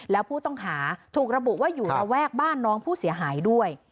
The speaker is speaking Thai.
แล้วผู้ต้องหาถูกระบุว่าอยู่ระแวกบ้านน้องผู้เสียหายด้วย